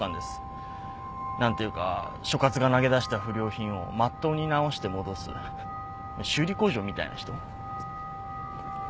何ていうか所轄が投げ出した不良品をまっとうに直して戻す修理工場みたいな人。